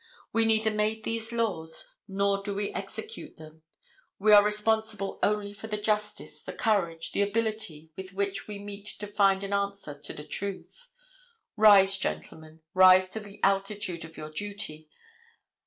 We neither made these laws, nor do we execute them. We are responsible only for the justice, the courage, the ability with which we meet to find an answer to the truth. Rise, gentlemen, rise to the altitude of your duty.